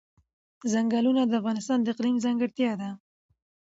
ځنګلونه د افغانستان د اقلیم ځانګړتیا ده.